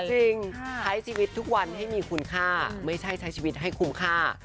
จริงใช้ชีวิตทุกวันให้มีคุณค่าไม่ใช่ใช้ชีวิตให้คุ้มค่า